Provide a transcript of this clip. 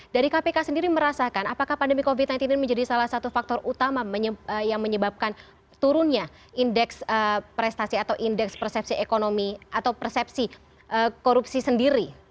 dari kpk sendiri merasakan apakah pandemi covid sembilan belas ini menjadi salah satu faktor utama yang menyebabkan turunnya indeks prestasi atau indeks persepsi ekonomi atau persepsi korupsi sendiri